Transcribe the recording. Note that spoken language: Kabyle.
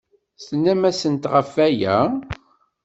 Tennam-asent ɣef waya?